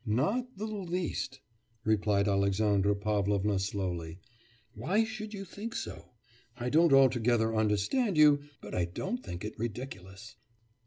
'Not the least!' replied Alexandra Pavlovna slowly; 'why should you think so? I don't altogether understand you, but I don't think it ridiculous.